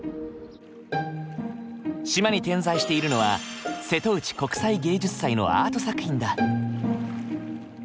島に点在しているのは瀬戸内国際芸術祭のアート作品だ。